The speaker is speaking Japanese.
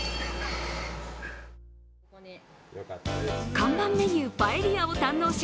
看板メニュー、パエリアを堪能し